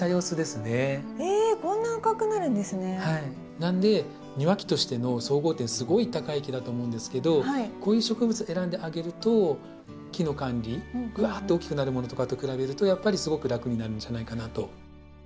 なので庭木としての総合点すごい高い木だと思うんですけどこういう植物選んであげると木の管理ぐわっと大きくなるものとかと比べるとやっぱりすごく楽になるんじゃないかなと。